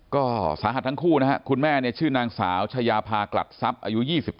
ก็สาหัสทั้งคู่นะครับคุณแม่เนี่ยชื่อนางสาวชายาพากลัดทรัพย์อายุ๒๓